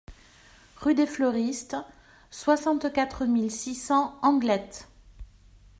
Rue des Fleuristes, soixante-quatre mille six cents Anglet